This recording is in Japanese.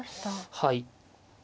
はい。